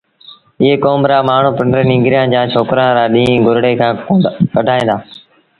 ايئي ڪوم رآ مآڻهوٚٚݩ پنڊري ننگريآݩ جآݩ ڇوڪرآݩ رآ ڏيݩهݩ گُرڙي کآݩ ڪڍائيٚݩ دآ